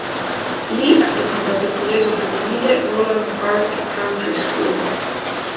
Lì ha frequentato il collegio femminile Roland Park Country School.